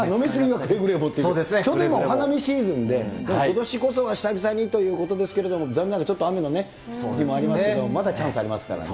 ちょうど今お花見シーズンで、ことしこそは久々にということですけど、残念ながら、ちょっと雨の日もありますけど、まだチャンスありますからね。